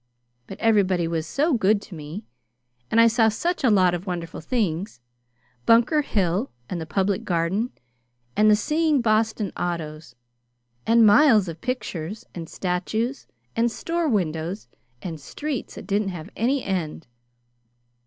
But everybody was so good to me, and I saw such a lot of wonderful things Bunker Hill, and the Public Garden, and the Seeing Boston autos, and miles of pictures and statues and store windows and streets that didn't have any end.